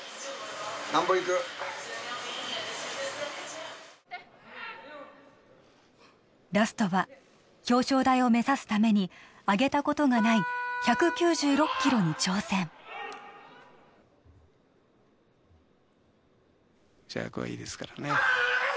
なんぼいくラストは表彰台を目指すためにあげたことがない１９６キロに挑戦ジャークはいいですからね